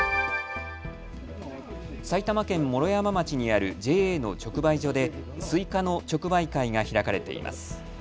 埼玉県毛呂山町にあるＪＡの直売所でスイカの直売会が開かれています。